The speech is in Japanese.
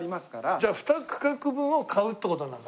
じゃあ２区画分を買うっていう事になるんだね。